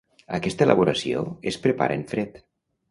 Aquesta elaboració es prepara en fred.